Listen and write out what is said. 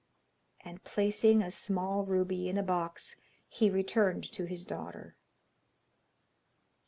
And placing a small ruby in a box, he returned to his daughter.